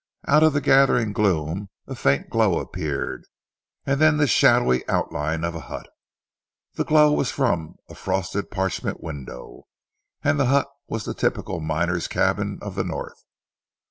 Out of the gathering gloom a faint glow appeared, and then the shadowy outline of a hut. The glow was from a frosted parchment window, and the hut was the typical miner's cabin of the North.